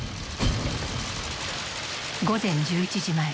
午前１１時前。